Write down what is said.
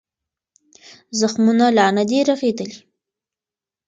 زخمونه لا نه دي رغېدلي.